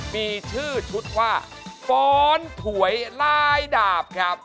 มีชื่อชุดว่าฟ้อนถวยลายดาบครับ